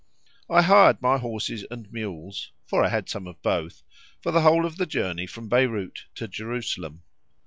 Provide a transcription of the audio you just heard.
I hired my horses and mules (for I had some of both) for the whole of the journey from Beyrout to Jerusalem.